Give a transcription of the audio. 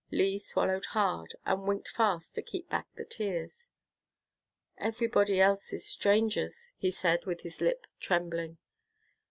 Lee swallowed hard, and winked fast to keep back the tears. "Everybody else is strangers," he said, with his lip trembling.